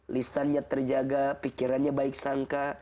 lisannya terjaga pikirannya baik sangka